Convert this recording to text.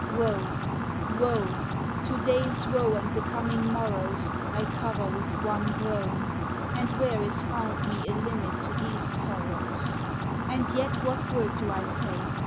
Woe, woe! to day's woe and the coming morrow's I cover with one groan. And where is found me A limit to these sorrows? And yet what word do I say?